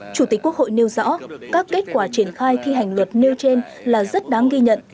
chủ tịch quốc hội nêu rõ các kết quả triển khai thi hành luật nêu trên là rất đáng ghi nhận